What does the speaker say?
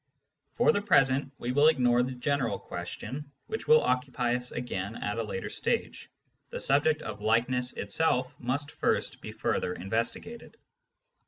For the present we will ignore the general question, which will occupy us again at a later stage ; the subject of likeness itself must first be further investigated.